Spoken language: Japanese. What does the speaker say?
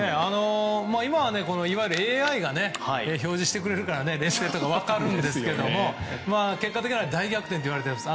今は、いわゆるＡＩが表示してくれるから劣勢とか分かるんですけれども結果的には大逆転といわれています。